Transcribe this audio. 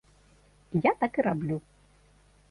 Я так і раблю.